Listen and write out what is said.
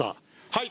はい！